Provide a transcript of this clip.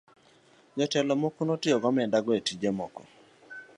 Jotelo moko ne otiyo gi omenda go e tije moko.